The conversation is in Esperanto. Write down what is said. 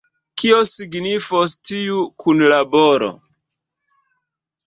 Kion signifos tiu kunlaboro?